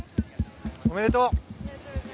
おめでとう。